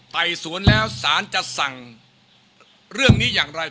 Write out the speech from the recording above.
ไต่สวนแล้วสารจะสั่งเรื่องนี้อย่างไร